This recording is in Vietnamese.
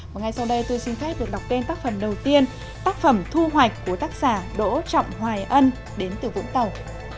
và ngay sau đây tôi xin phép được đọc tên tác phẩm đầu tiên tác phẩm thu hoạch của tác giả đỗ trọng hoài ân đến từ vũng tàu